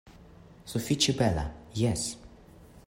Sufiĉe bela, jes.